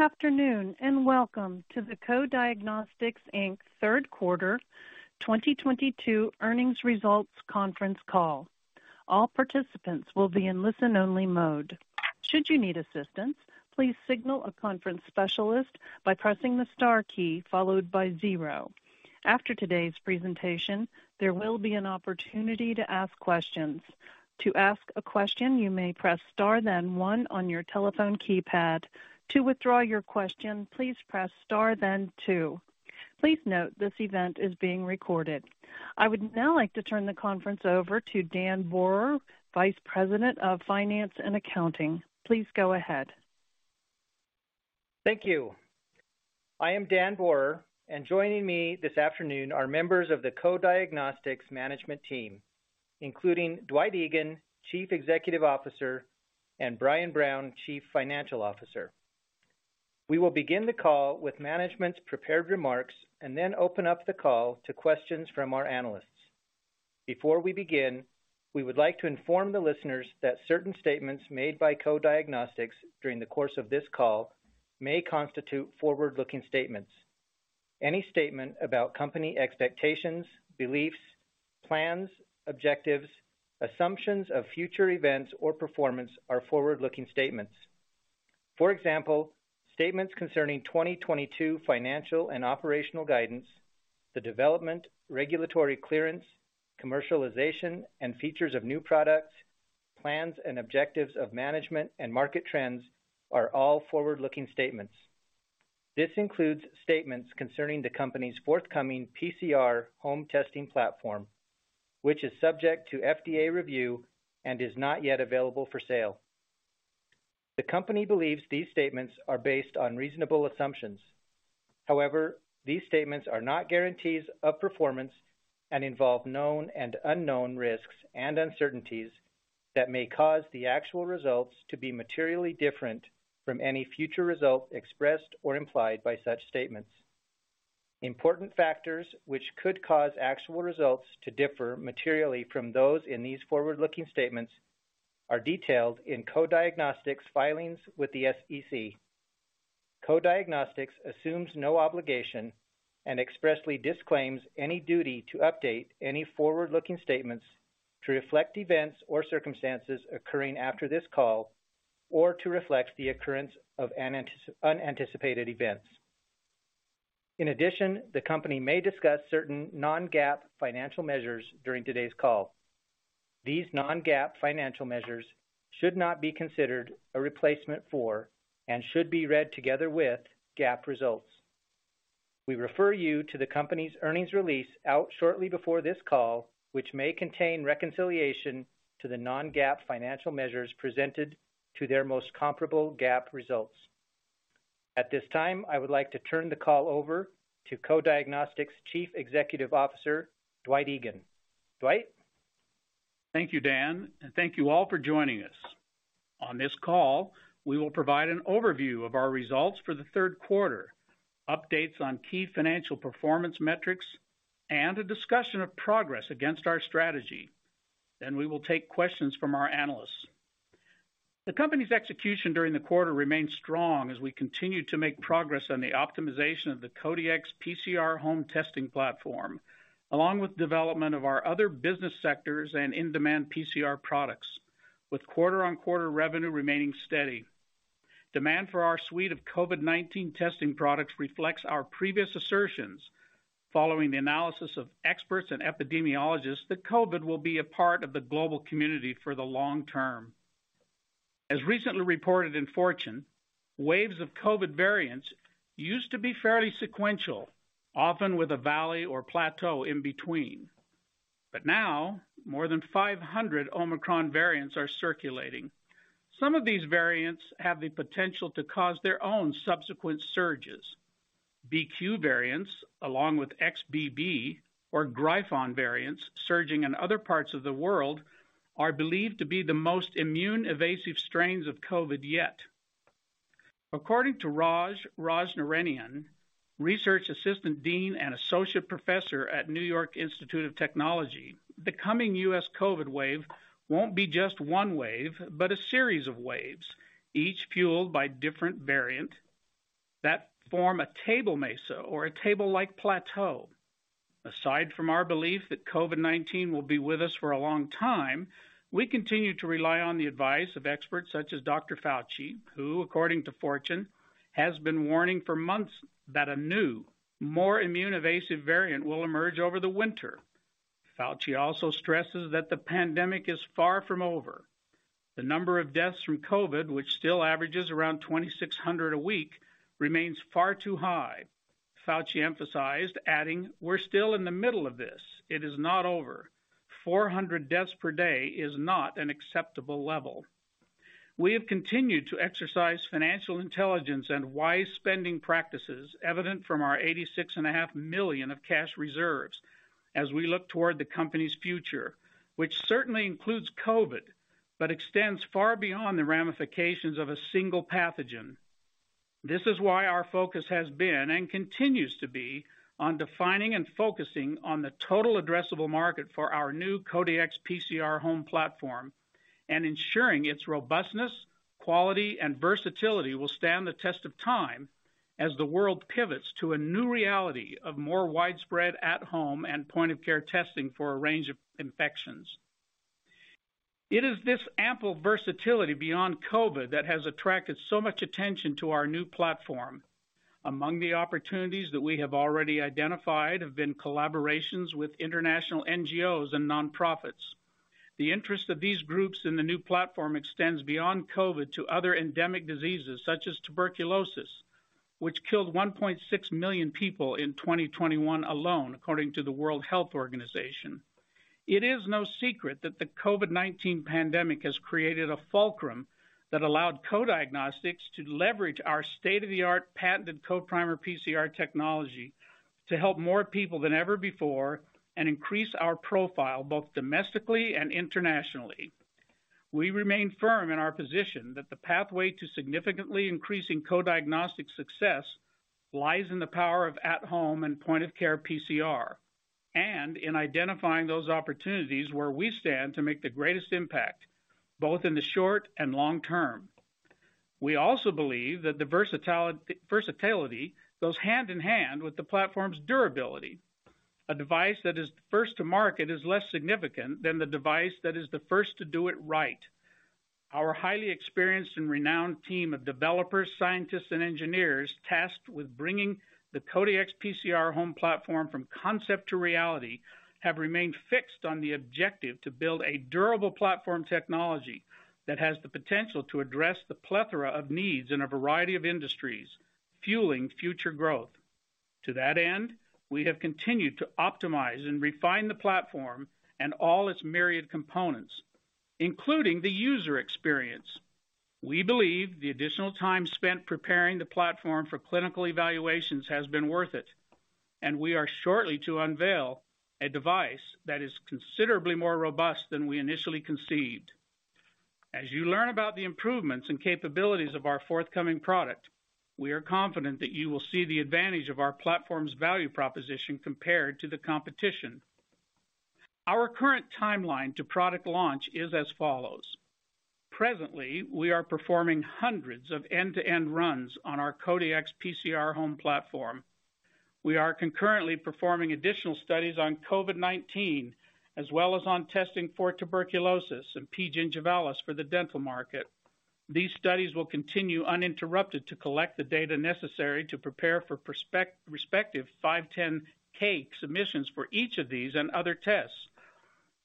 Good afternoon, and welcome to the Co-Diagnostics Inc Third Quarter 2022 Earnings Results Conference Call. All participants will be in listen-only mode. Should you need assistance, please signal a conference specialist by pressing the star key followed by zero. After today's presentation, there will be an opportunity to ask questions. To ask a question, you may press star then one on your telephone keypad. To withdraw your question, please press star then two. Please note this event is being recorded. I would now like to turn the conference over to Dan Bohrer, Vice President of Finance and Accounting. Please go ahead. Thank you. I am Dan Bohrer, and joining me this afternoon are members of the Co-Diagnostics management team, including Dwight Egan, Chief Executive Officer, and Brian Brown, Chief Financial Officer. We will begin the call with management's prepared remarks and then open up the call to questions from our analysts. Before we begin, we would like to inform the listeners that certain statements made by Co-Diagnostics during the course of this call may constitute forward-looking statements. Any statement about company expectations, beliefs, plans, objectives, assumptions of future events or performance are forward-looking statements. For example, statements concerning 2022 financial and operational guidance, the development, regulatory clearance, commercialization, and features of new products, plans and objectives of management and market trends are all forward-looking statements. This includes statements concerning the company's forthcoming PCR home testing platform, which is subject to FDA review and is not yet available for sale. The company believes these statements are based on reasonable assumptions. However, these statements are not guarantees of performance and involve known and unknown risks and uncertainties that may cause the actual results to be materially different from any future results expressed or implied by such statements. Important factors which could cause actual results to differ materially from those in these forward-looking statements are detailed in Co-Diagnostics filings with the SEC. Co-Diagnostics assumes no obligation and expressly disclaims any duty to update any forward-looking statements to reflect events or circumstances occurring after this call or to reflect the occurrence of an unanticipated events. In addition, the company may discuss certain non-GAAP financial measures during today's call. These non-GAAP financial measures should not be considered a replacement for and should be read together with GAAP results. We refer you to the company's earnings release out shortly before this call, which may contain reconciliation to the non-GAAP financial measures presented to their most comparable GAAP results. At this time, I would like to turn the call over to Co-Diagnostics Chief Executive Officer, Dwight Egan. Dwight. Thank you, Dan, and thank you all for joining us. On this call, we will provide an overview of our results for the third quarter, updates on key financial performance metrics, and a discussion of progress against our strategy. Then we will take questions from our analysts. The company's execution during the quarter remained strong as we continued to make progress on the optimization of the Kodiak PCR home testing platform, along with development of our other business sectors and in-demand PCR products, with quarter-over-quarter revenue remaining steady. Demand for our suite of COVID-19 testing products reflects our previous assertions following the analysis of experts and epidemiologists that COVID will be a part of the global community for the long term. As recently reported in Fortune, waves of COVID variants used to be fairly sequential, often with a valley or plateau in between. Now more than 500 Omicron variants are circulating. Some of these variants have the potential to cause their own subsequent surges. BQ variants, along with XBB or Gryphon variants surging in other parts of the world, are believed to be the most immune-evasive strains of COVID yet. According to Raj Rajnarayanan, Assistant Dean of Research and Associate Professor at New York Institute of Technology, the coming U.S. COVID wave won't be just one wave, but a series of waves, each fueled by different variant that form a table mesa or a table-like plateau. Aside from our belief that COVID-19 will be with us for a long time, we continue to rely on the advice of experts such as Dr. Fauci, who, according to Fortune, has been warning for months that a new, more immune-evasive variant will emerge over the winter. Fauci also stresses that the pandemic is far from over. The number of deaths from COVID, which still averages around 2,600 a week, remains far too high. Fauci emphasized, adding, "We're still in the middle of this. It is not over. 400 deaths per day is not an acceptable level." We have continued to exercise financial intelligence and wise spending practices evident from our $86.5 million of cash reserves as we look toward the company's future, which certainly includes COVID, but extends far beyond the ramifications of a single pathogen. This is why our focus has been and continues to be on defining and focusing on the total addressable market for our new Kodiak PCR home platform. Ensuring its robustness, quality, and versatility will stand the test of time as the world pivots to a new reality of more widespread at-home and point-of-care testing for a range of infections. It is this ample versatility beyond COVID that has attracted so much attention to our new platform. Among the opportunities that we have already identified have been collaborations with international NGOs and nonprofits. The interest of these groups in the new platform extends beyond COVID to other endemic diseases such as tuberculosis, which killed 1.6 million people in 2021 alone, according to the World Health Organization. It is no secret that the COVID-19 pandemic has created a fulcrum that allowed Co-Diagnostics to leverage our state-of-the-art patented CoPrimer PCR technology to help more people than ever before and increase our profile both domestically and internationally. We remain firm in our position that the pathway to significantly increasing Co-Diagnostics' success lies in the power of at-home and point-of-care PCR, and in identifying those opportunities where we stand to make the greatest impact, both in the short and long term. We also believe that the versatility goes hand in hand with the platform's durability. A device that is first to market is less significant than the device that is the first to do it right. Our highly experienced and renowned team of developers, scientists, and engineers tasked with bringing the Kodiak PCR home platform from concept to reality have remained fixed on the objective to build a durable platform technology that has the potential to address the plethora of needs in a variety of industries, fueling future growth. To that end, we have continued to optimize and refine the platform and all its myriad components, including the user experience. We believe the additional time spent preparing the platform for clinical evaluations has been worth it, and we are shortly to unveil a device that is considerably more robust than we initially conceived. As you learn about the improvements and capabilities of our forthcoming product, we are confident that you will see the advantage of our platform's value proposition compared to the competition. Our current timeline to product launch is as follows. Presently, we are performing hundreds of end-to-end runs on our Kodiak PCR home platform. We are concurrently performing additional studies on COVID-19 as well as on testing for tuberculosis and P. gingivalis for the dental market. These studies will continue uninterrupted to collect the data necessary to prepare for respective 510(k) submissions for each of these and other tests.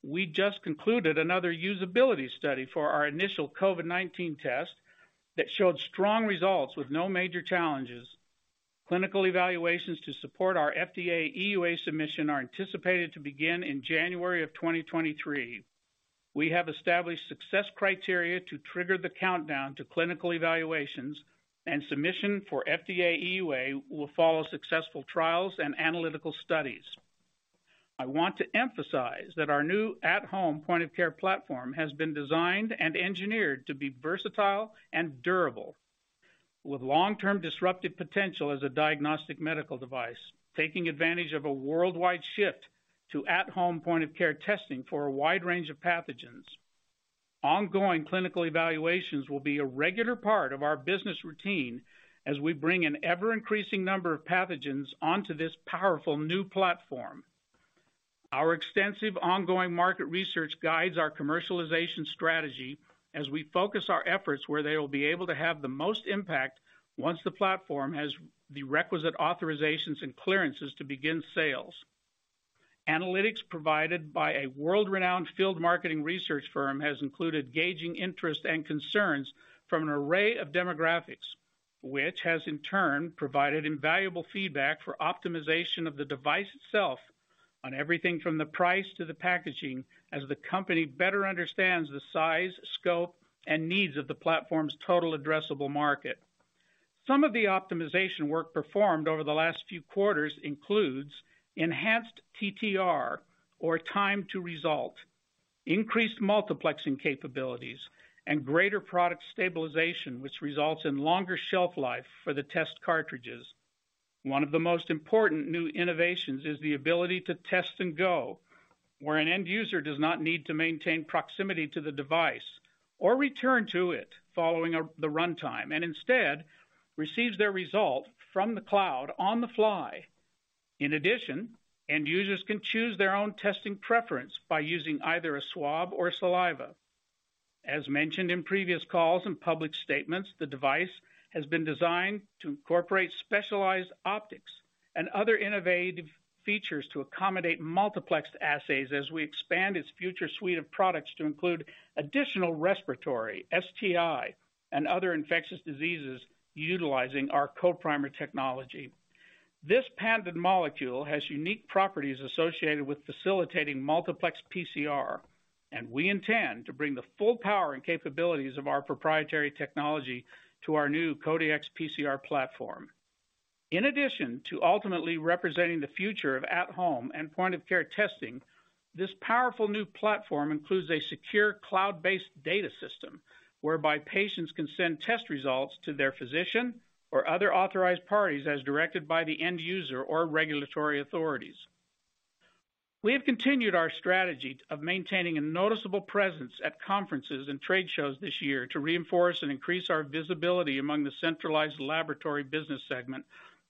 We just concluded another usability study for our initial COVID-19 test that showed strong results with no major challenges. Clinical evaluations to support our FDA EUA submission are anticipated to begin in January 2023. We have established success criteria to trigger the countdown to clinical evaluations, and submission for FDA EUA will follow successful trials and analytical studies. I want to emphasize that our new at-home point-of-care platform has been designed and engineered to be versatile and durable, with long-term disruptive potential as a diagnostic medical device, taking advantage of a worldwide shift to at-home point-of-care testing for a wide range of pathogens. Ongoing clinical evaluations will be a regular part of our business routine as we bring an ever-increasing number of pathogens onto this powerful new platform. Our extensive ongoing market research guides our commercialization strategy as we focus our efforts where they will be able to have the most impact once the platform has the requisite authorizations and clearances to begin sales. Analytics provided by a world-renowned field marketing research firm has included gauging interest and concerns from an array of demographics, which has in turn provided invaluable feedback for optimization of the device itself on everything from the price to the packaging as the company better understands the size, scope, and needs of the platform's total addressable market. Some of the optimization work performed over the last few quarters includes enhanced TTR, or time to result, increased multiplexing capabilities, and greater product stabilization, which results in longer shelf life for the test cartridges. One of the most important new innovations is the ability to test and go, where an end user does not need to maintain proximity to the device or return to it following the runtime, and instead receives their result from the cloud on the fly. In addition, end users can choose their own testing preference by using either a swab or saliva. As mentioned in previous calls and public statements, the device has been designed to incorporate specialized optics and other innovative features to accommodate multiplexed assays as we expand its future suite of products to include additional respiratory, STI, and other infectious diseases utilizing our CoPrimer technology. This patented molecule has unique properties associated with facilitating multiplex PCR, and we intend to bring the full power and capabilities of our proprietary technology to our new Co-Dx PCR platform. In addition to ultimately representing the future of at-home and point-of-care testing, this powerful new platform includes a secure cloud-based data system whereby patients can send test results to their physician or other authorized parties as directed by the end user or regulatory authorities. We have continued our strategy of maintaining a noticeable presence at conferences and trade shows this year to reinforce and increase our visibility among the centralized laboratory business segment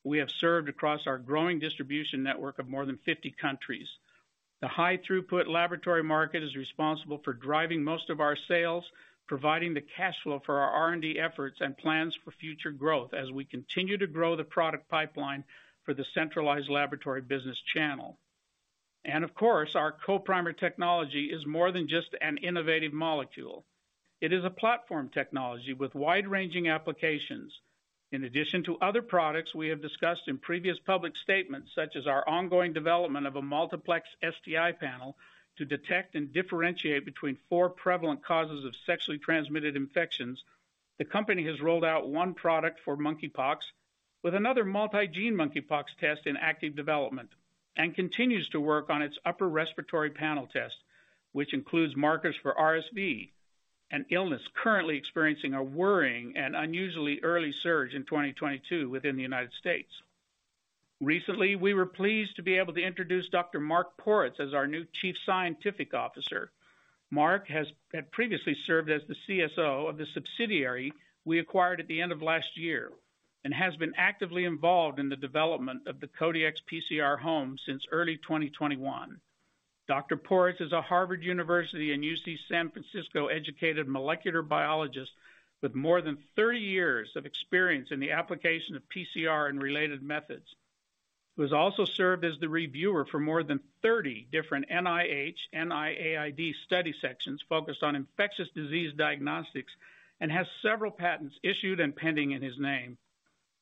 we have served across our growing distribution network of more than 50 countries. The high-throughput laboratory market is responsible for driving most of our sales, providing the cash flow for our R&D efforts and plans for future growth as we continue to grow the product pipeline for the centralized laboratory business channel. Of course, our CoPrimer technology is more than just an innovative molecule. It is a platform technology with wide-ranging applications. In addition to other products we have discussed in previous public statements, such as our ongoing development of a multiplex STI panel to detect and differentiate between four prevalent causes of sexually transmitted infections, the company has rolled out one product for monkeypox with another multi-gene monkeypox test in active development, and continues to work on its upper respiratory panel test, which includes markers for RSV, an illness currently experiencing a worrying and unusually early surge in 2022 within the United States. Recently, we were pleased to be able to introduce Dr. Mark Poritz as our new Chief Scientific Officer. Mark has had previously served as the CSO of the subsidiary we acquired at the end of last year and has been actively involved in the development of the Kodiak PCR Home since early 2021. Dr. Poritz is a Harvard University and UC San Francisco-educated molecular biologist with more than 30 years of experience in the application of PCR and related methods, who has also served as the reviewer for more than 30 different NIH, NIAID study sections focused on infectious disease diagnostics and has several patents issued and pending in his name.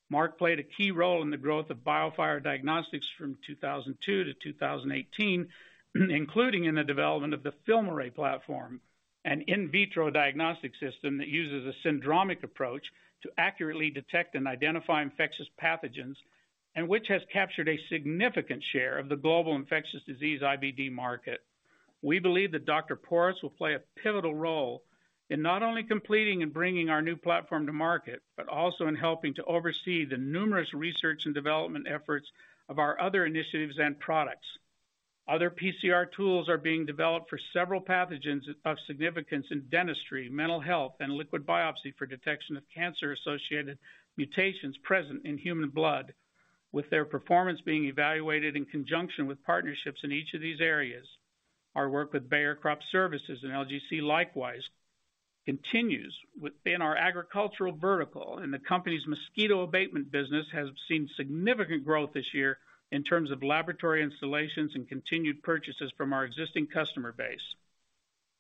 Mark played a key role in the growth of BioFire Diagnostics from 2002 to 2018, including in the development of the FilmArray platform, an in vitro diagnostic system that uses a syndromic approach to accurately detect and identify infectious pathogens, and which has captured a significant share of the global infectious disease IVD market. We believe that Dr. Poritz will play a pivotal role in not only completing and bringing our new platform to market, but also in helping to oversee the numerous research and development efforts of our other initiatives and products. Other PCR tools are being developed for several pathogens of significance in dentistry, mental health, and liquid biopsy for detection of cancer-associated mutations present in human blood, with their performance being evaluated in conjunction with partnerships in each of these areas. Our work with Bayer Crop Science and LGC likewise continues within our agricultural vertical, and the company's mosquito abatement business has seen significant growth this year in terms of laboratory installations and continued purchases from our existing customer base.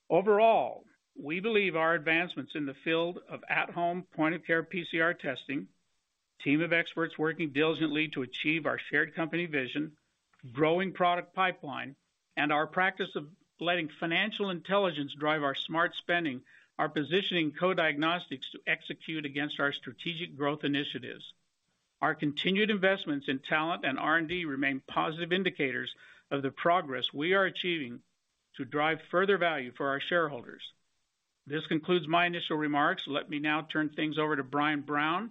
Overall, we believe our advancements in the field of at-home point-of-care PCR testing, team of experts working diligently to achieve our shared company vision, growing product pipeline, and our practice of letting financial intelligence drive our smart spending are positioning Co-Diagnostics to execute against our strategic growth initiatives. Our continued investments in talent and R&D remain positive indicators of the progress we are achieving to drive further value for our shareholders. This concludes my initial remarks. Let me now turn things over to Brian Brown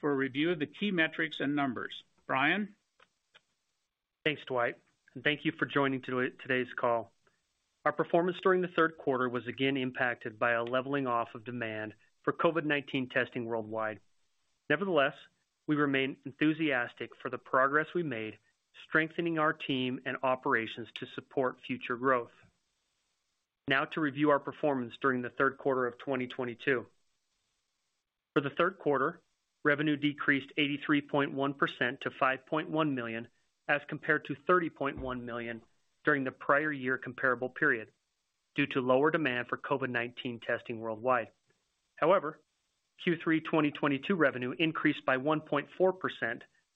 for a review of the key metrics and numbers. Brian? Thanks, Dwight, and thank you for joining today's call. Our performance during the third quarter was again impacted by a leveling off of demand for COVID-19 testing worldwide. Nevertheless, we remain enthusiastic for the progress we made, strengthening our team and operations to support future growth. Now to review our performance during the third quarter of 2022. For the third quarter, revenue decreased 83.1% to $5.1 million as compared to $30.1 million during the prior year comparable period due to lower demand for COVID-19 testing worldwide. However, Q3 2022 revenue increased by 1.4%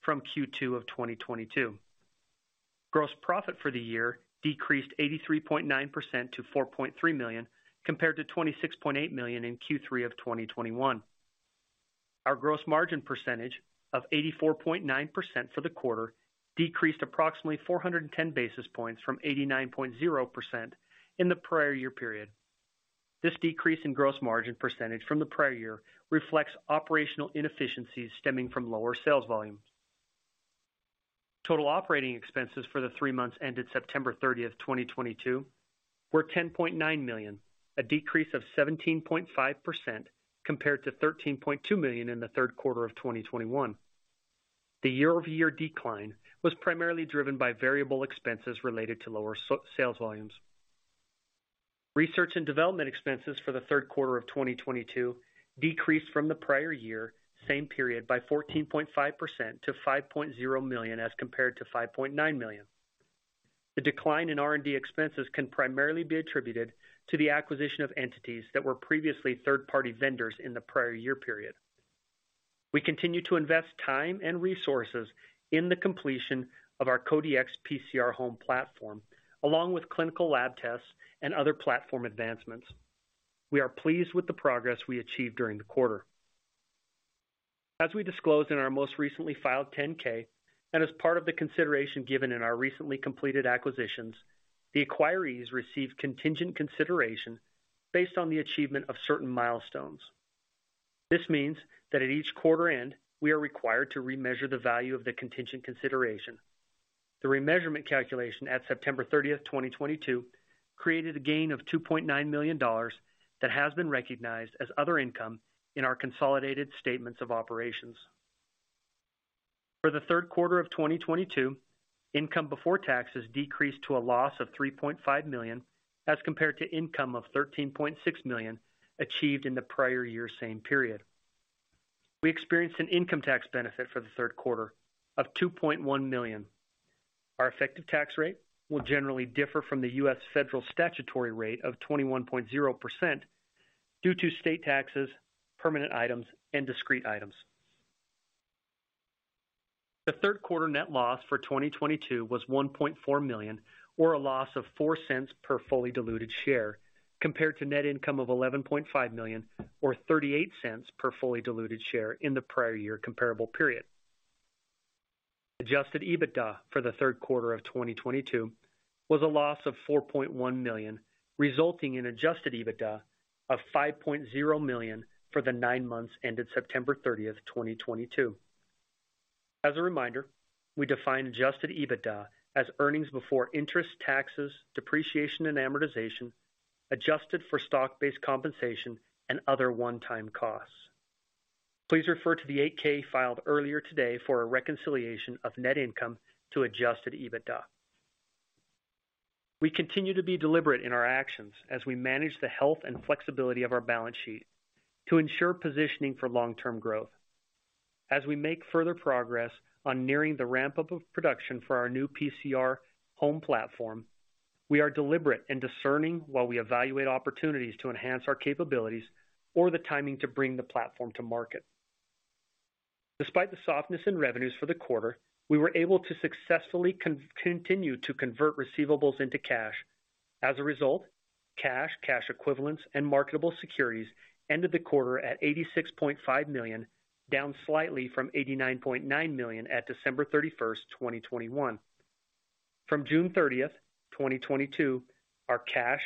from Q2 of 2022. Gross profit for the year decreased 83.9% to $4.3 million, compared to $26.8 million in Q3 of 2021. Our gross margin percentage of 84.9% for the quarter decreased approximately 410 basis points from 89.0% in the prior year period. This decrease in gross margin percentage from the prior year reflects operational inefficiencies stemming from lower sales volumes. Total operating expenses for the three months ended September 30th, 2022 were $10.9 million, a decrease of 17.5% compared to $13.2 million in the third quarter of 2021. The year-over-year decline was primarily driven by variable expenses related to lower sales volumes. Research and development expenses for the third quarter of 2022 decreased from the prior year, same period, by 14.5% to $5.0 million as compared to $5.9 million. The decline in R&D expenses can primarily be attributed to the acquisition of entities that were previously third-party vendors in the prior year period. We continue to invest time and resources in the completion of our Kodiak PCR Home platform, along with clinical lab tests and other platform advancements. We are pleased with the progress we achieved during the quarter. As we disclosed in our most recently filed 10-K, and as part of the consideration given in our recently completed acquisitions, the acquirees received contingent consideration based on the achievement of certain milestones. This means that at each quarter end, we are required to remeasure the value of the contingent consideration. The remeasurement calculation at September 30th, 2022, created a gain of $2.9 million that has been recognized as other income in our consolidated statements of operations. For the third quarter of 2022, income before taxes decreased to a loss of $3.5 million, as compared to income of $13.6 million achieved in the prior year same period. We experienced an income tax benefit for the third quarter of $2.1 million. Our effective tax rate will generally differ from the U.S. federal statutory rate of 21.0% due to state taxes, permanent items, and discrete items. The third quarter net loss for 2022 was $1.4 million, or a loss of $0.04 per fully diluted share, compared to net income of $11.5 million or $0.38 per fully diluted share in the prior year comparable period. Adjusted EBITDA for the third quarter of 2022 was a loss of $4.1 million, resulting in adjusted EBITDA of $5.0 million for the nine months ended September 30th, 2022. As a reminder, we define adjusted EBITDA as earnings before interest, taxes, depreciation, and amortization, adjusted for stock-based compensation and other one-time costs. Please refer to the 8-K filed earlier today for a reconciliation of net income to adjusted EBITDA. We continue to be deliberate in our actions as we manage the health and flexibility of our balance sheet to ensure positioning for long-term growth. As we make further progress on nearing the ramp-up of production for our new Kodiak PCR Home platform, we are deliberate in discerning while we evaluate opportunities to enhance our capabilities or the timing to bring the platform to market. Despite the softness in revenues for the quarter, we were able to successfully continue to convert receivables into cash. As a result, cash equivalents, and marketable securities ended the quarter at $86.5 million, down slightly from $89.9 million at December 31st, 2021. From June 30th, 2022, our cash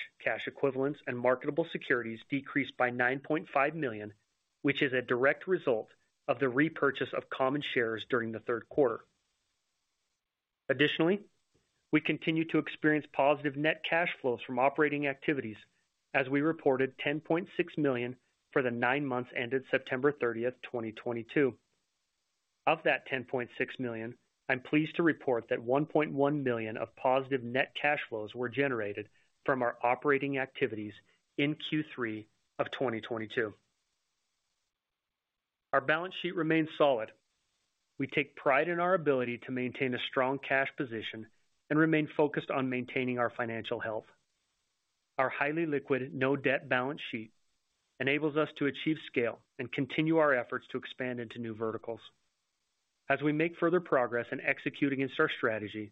equivalents, and marketable securities decreased by $9.5 million, which is a direct result of the repurchase of common shares during the third quarter. Additionally, we continue to experience positive net cash flows from operating activities as we reported $10.6 million for the nine months ended September 30th, 2022. Of that $10.6 million, I'm pleased to report that $1.1 million of positive net cash flows were generated from our operating activities in Q3 of 2022. Our balance sheet remains solid. We take pride in our ability to maintain a strong cash position and remain focused on maintaining our financial health. Our highly liquid, no debt balance sheet enables us to achieve scale and continue our efforts to expand into new verticals. As we make further progress in executing against our strategy,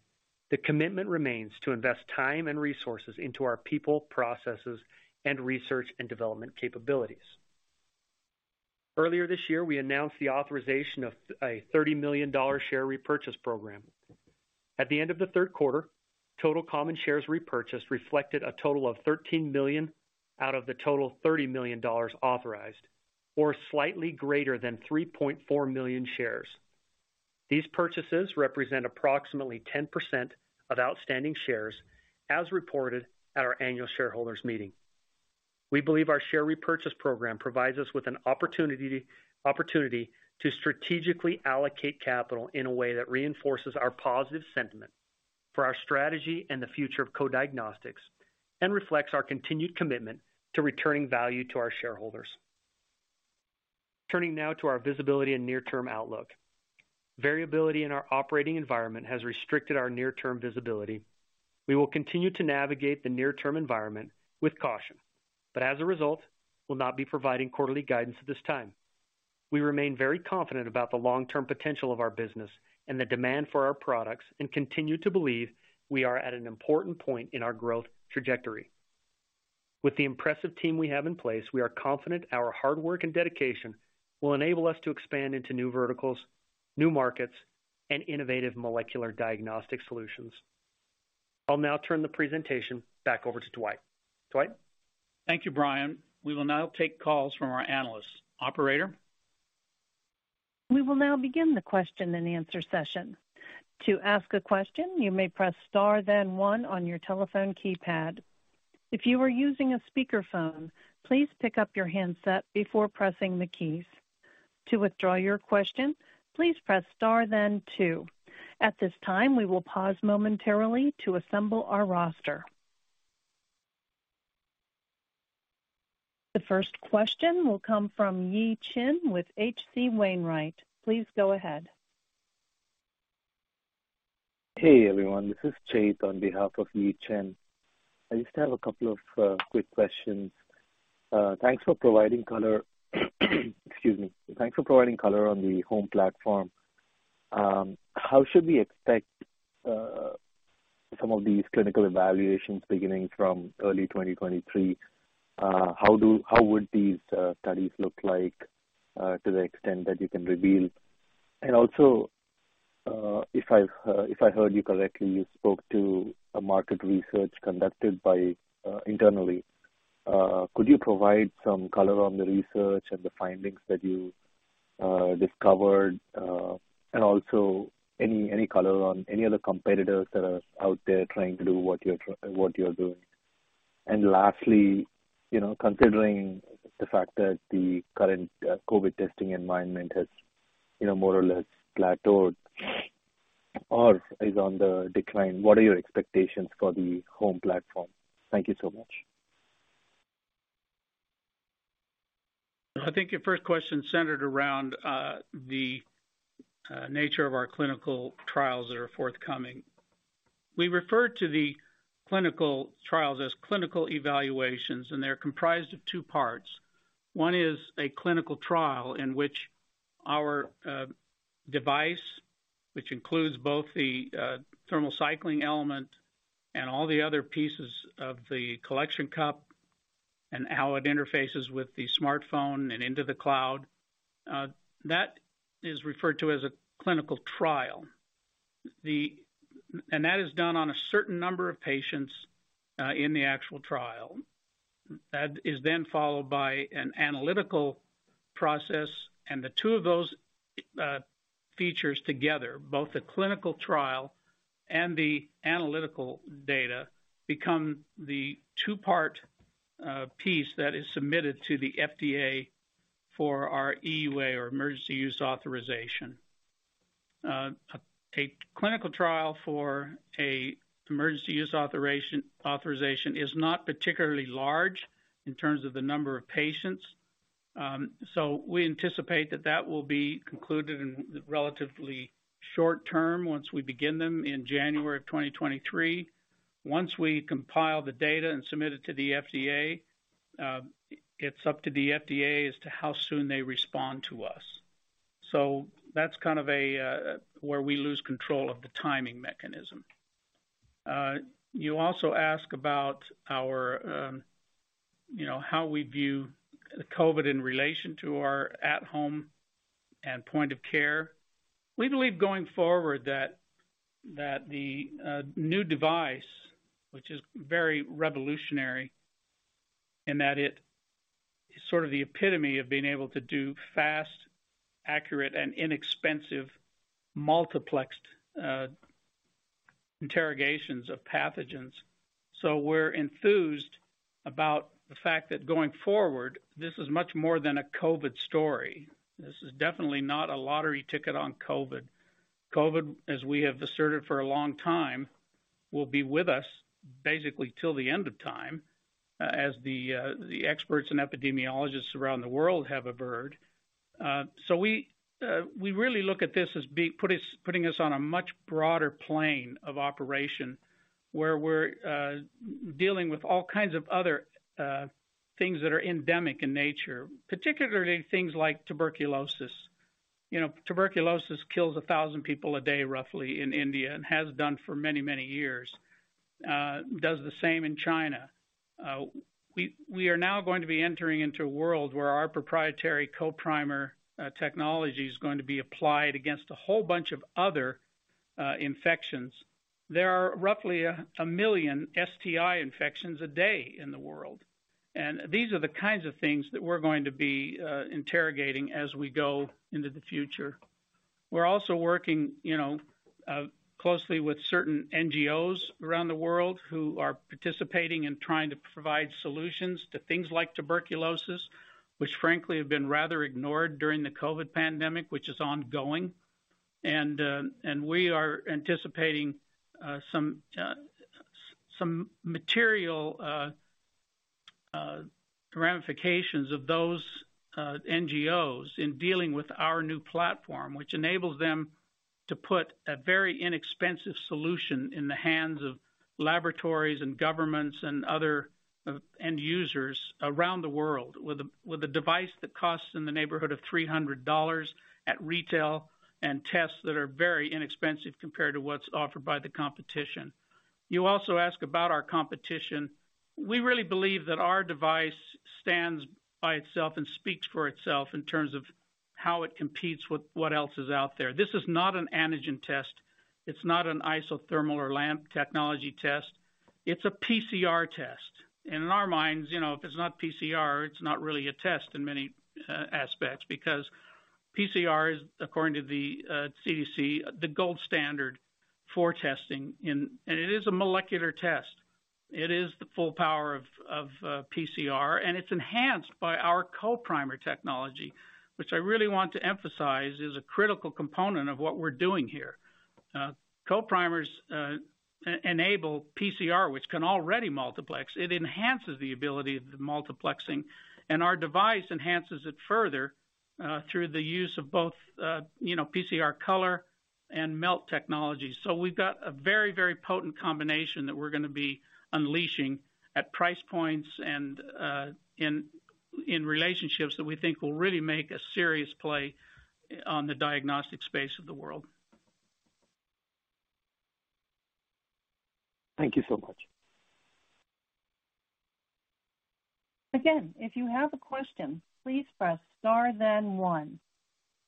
the commitment remains to invest time and resources into our people, processes, and research and development capabilities. Earlier this year, we announced the authorization of a $30 million share repurchase program. At the end of the third quarter, total common shares repurchased reflected a total of $13 million out of the total $30 million authorized, or slightly greater than 3.4 million shares. These purchases represent approximately 10% of outstanding shares as reported at our annual shareholders meeting. We believe our share repurchase program provides us with an opportunity to strategically allocate capital in a way that reinforces our positive sentiment for our strategy and the future of Co-Diagnostics and reflects our continued commitment to returning value to our shareholders. Turning now to our visibility and near-term outlook. Variability in our operating environment has restricted our near-term visibility. We will continue to navigate the near-term environment with caution, but as a result, will not be providing quarterly guidance at this time. We remain very confident about the long-term potential of our business and the demand for our products, and continue to believe we are at an important point in our growth trajectory. With the impressive team we have in place, we are confident our hard work and dedication will enable us to expand into new verticals, new markets, and innovative molecular diagnostic solutions. I'll now turn the presentation back over to Dwight. Dwight? Thank you, Brian. We will now take calls from our analysts. Operator? We will now begin the question and answer session. To ask a question, you may press star then one on your telephone keypad. If you are using a speakerphone, please pick up your handset before pressing the keys. To withdraw your question, please press star then two. At this time, we will pause momentarily to assemble our roster. The first question will come from Yi Chen with H.C. Wainwright. Please go ahead. Hey, everyone. This is Jake on behalf of Yi Chen. I just have a couple of quick questions. Thanks for providing color on the home platform. How should we expect some of these clinical evaluations beginning from early 2023? How would these studies look like to the extent that you can reveal? If I heard you correctly, you spoke to a market research conducted internally. Could you provide some color on the research and the findings that you discovered? Any color on any other competitors that are out there trying to do what you're doing. Lastly, you know, considering the fact that the current COVID testing environment has, you know, more or less plateaued or is on the decline, what are your expectations for the home platform? Thank you so much. I think your first question centered around the nature of our clinical trials that are forthcoming. We refer to the clinical trials as clinical evaluations, and they're comprised of two parts. One is a clinical trial in which our device, which includes both the thermal cycling element and all the other pieces of the collection cup and how it interfaces with the smartphone and into the cloud, that is referred to as a clinical trial. That is done on a certain number of patients in the actual trial. That is then followed by an analytical process, and the two of those features together, both the clinical trial and the analytical data, become the two-part piece that is submitted to the FDA for our EUA or Emergency Use Authorization. A clinical trial for an Emergency Use Authorization is not particularly large in terms of the number of patients. We anticipate that it will be concluded in the relatively short term once we begin them in January of 2023. Once we compile the data and submit it to the FDA, it's up to the FDA as to how soon they respond to us. That's kind of where we lose control of the timing mechanism. You also ask about our, you know, how we view COVID in relation to our at home and point of care. We believe going forward that the new device, which is very revolutionary and that it is sort of the epitome of being able to do fast, accurate, and inexpensive multiplexed interrogations of pathogens. We're enthused about the fact that going forward, this is much more than a COVID story. This is definitely not a lottery ticket on COVID. COVID, as we have asserted for a long time, will be with us basically till the end of time, as the experts and epidemiologists around the world have averred. We really look at this as putting us on a much broader plane of operation, where we're dealing with all kinds of other things that are endemic in nature, particularly things like tuberculosis. You know, tuberculosis kills 1,000 people a day roughly in India and has done for many, many years. Does the same in China. We are now going to be entering into a world where our proprietary CoPrimer technology is going to be applied against a whole bunch of other infections. There are roughly 1 million STI infections a day in the world, and these are the kinds of things that we're going to be interrogating as we go into the future. We're also working, you know, closely with certain NGOs around the world who are participating in trying to provide solutions to things like tuberculosis, which frankly have been rather ignored during the COVID pandemic, which is ongoing. We are anticipating some material ramifications of those NGOs in dealing with our new platform, which enables them to put a very inexpensive solution in the hands of laboratories and governments and other end users around the world, with a device that costs in the neighborhood of $300 at retail and tests that are very inexpensive compared to what's offered by the competition. You also ask about our competition. We really believe that our device stands by itself and speaks for itself in terms of how it competes with what else is out there. This is not an antigen test. It's not an isothermal or LAMP technology test. It's a PCR test. In our minds, you know, if it's not PCR, it's not really a test in many aspects because PCR is, according to the CDC, the gold standard for testing. It is a molecular test. It is the full power of PCR, and it's enhanced by our CoPrimer technology, which I really want to emphasize is a critical component of what we're doing here. CoPrimers enable PCR, which can already multiplex. It enhances the ability of the multiplexing, and our device enhances it further through the use of both, you know, PCR color and melt technology. We've got a very, very potent combination that we're gonna be unleashing at price points and in relationships that we think will really make a serious play on the diagnostic space of the world. Thank you so much. Again, if you have a question, please press star then one.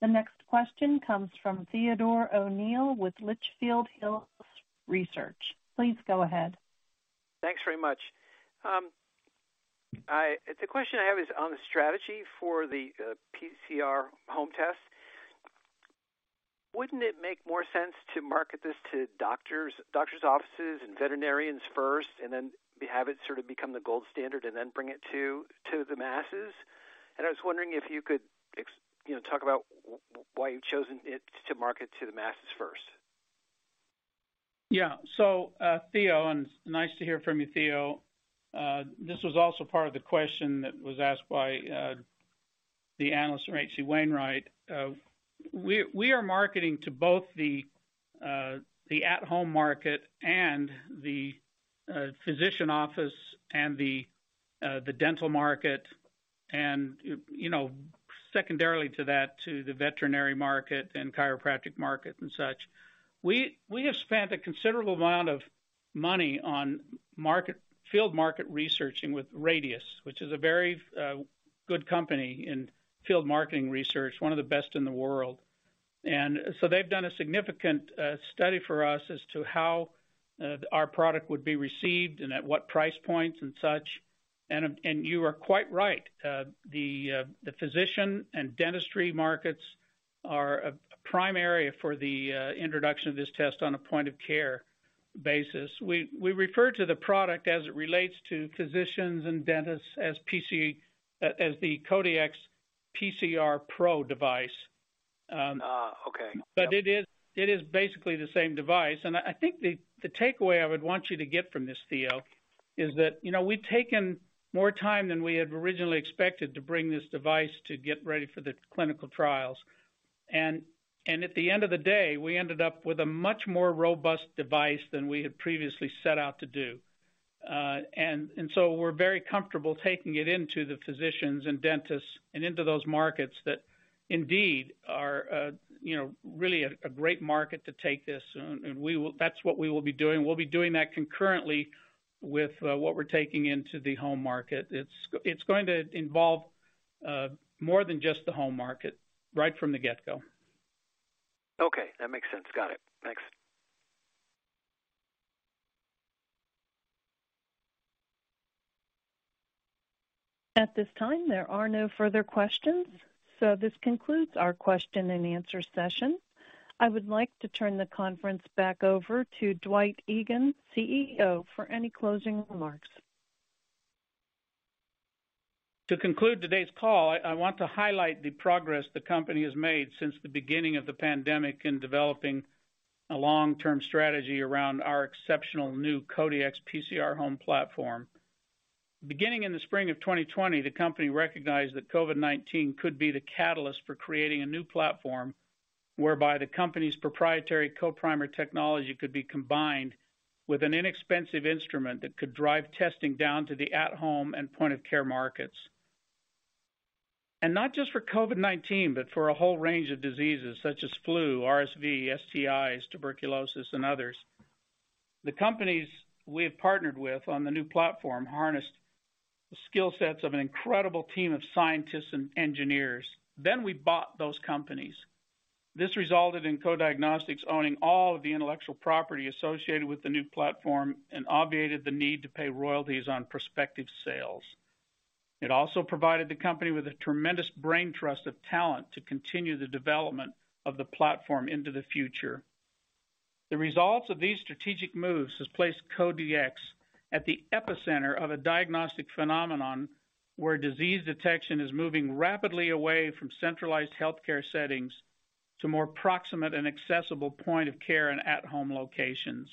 The next question comes from Theodore O'Neill with Litchfield Hills Research. Please go ahead. Thanks very much. The question I have is on the strategy for the PCR home test. Wouldn't it make more sense to market this to doctors, doctor's offices and veterinarians first, and then have it sort of become the gold standard and then bring it to the masses? I was wondering if you could you know, talk about why you've chosen it to market to the masses first. Theo, nice to hear from you, Theo. This was also part of the question that was asked by the analyst from H.C. Wainwright. We are marketing to both the at-home market and the physician office and the dental market and, you know, secondarily to that, to the veterinary market and chiropractic market and such. We have spent a considerable amount of money on field marketing research with Radius, which is a very good company in field marketing research, one of the best in the world. So, they've done a significant study for us as to how our product would be received and at what price points and such, and you are quite right. The physician and dentistry markets are a primary for the introduction of this test on a point-of-care basis. We refer to the product as it relates to physicians and dentists as the Co-Dx PCR Pro device. Okay. It is basically the same device. I think the takeaway I would want you to get from this, Theo, is that, you know, we've taken more time than we had originally expected to bring this device to get ready for the clinical trials. At the end of the day, we ended up with a much more robust device than we had previously set out to do. We're very comfortable taking it into the physicians and dentists and into those markets that indeed are, you know, really a great market to take this. We will. That's what we will be doing. We'll be doing that concurrently with what we're taking into the home market. It's going to involve more than just the home market right from the get-go. Okay, that makes sense. Got it. Thanks. At this time, there are no further questions, so this concludes our question and answer session. I would like to turn the conference back over to Dwight Egan, CEO, for any closing remarks. To conclude today's call, I want to highlight the progress the company has made since the beginning of the pandemic in developing a long-term strategy around our exceptional new Co-Dx PCR home platform. Beginning in the spring of 2020, the company recognized that COVID-19 could be the catalyst for creating a new platform whereby the company's proprietary CoPrimer technology could be combined with an inexpensive instrument that could drive testing down to the at-home and point-of-care markets. Not just for COVID-19, but for a whole range of diseases such as flu, RSV, STIs, tuberculosis, and others. The companies we have partnered with on the new platform harnessed the skill sets of an incredible team of scientists and engineers. We bought those companies. This resulted in Co-Diagnostics owning all of the intellectual property associated with the new platform and obviated the need to pay royalties on prospective sales. It also provided the company with a tremendous brain trust of talent to continue the development of the platform into the future. The results of these strategic moves has placed Co-Dx at the epicenter of a diagnostic phenomenon where disease detection is moving rapidly away from centralized healthcare settings to more proximate and accessible point of care and at-home locations.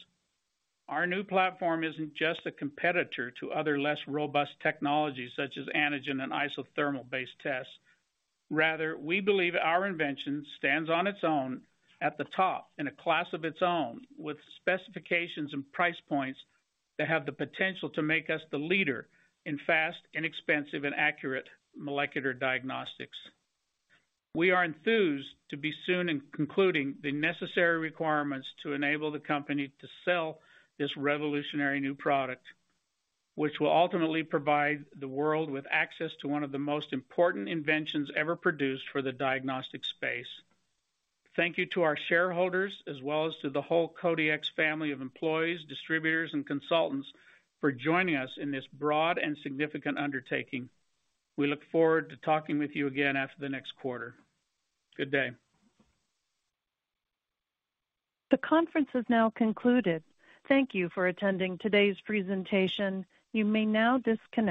Our new platform isn't just a competitor to other less robust technologies such as antigen and isothermal-based tests. Rather, we believe our invention stands on its own at the top in a class of its own, with specifications and price points that have the potential to make us the leader in fast, inexpensive, and accurate molecular diagnostics. We are enthused to soon be concluding the necessary requirements to enable the company to sell this revolutionary new product, which will ultimately provide the world with access to one of the most important inventions ever produced for the diagnostic space. Thank you to our shareholders, as well as to the whole Co-Dx family of employees, distributors, and consultants for joining us in this broad and significant undertaking. We look forward to talking with you again after the next quarter. Good day. The conference has now concluded. Thank you for attending today's presentation. You may now disconnect.